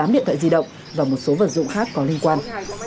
một mươi tám điện thoại di động và một số vật dụng khác có liên quan